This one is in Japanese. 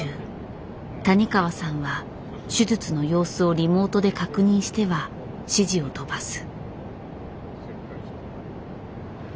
谷川さんは手術の様子をリモートで確認しては指示を飛ばす。